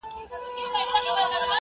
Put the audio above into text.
كه د زړه غوټه درته خلاصــه كــړمــــــه؛